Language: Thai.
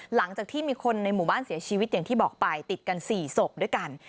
หลังจากที่มีคนในหมู่บ้านเสียชีวิตอย่างที่บอกไปติดกัน๔ศพด้วยกัน